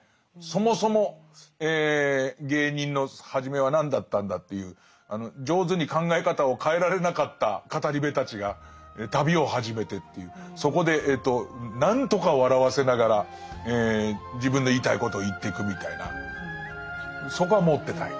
そもそも芸人のはじめは何だったんだっていう上手に考え方を変えられなかった語部たちが旅を始めてっていうそこで何とか笑わせながら自分の言いたいことを言ってくみたいなそこは持ってたい。